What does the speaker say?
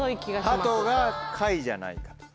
ハトが下位じゃないかと。